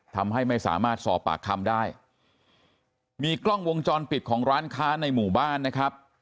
ทำให้ไม่สามารถสอบปากคำได้มีกล้องวงจรปิดของร้านค้าในหมู่บ้านนะครับ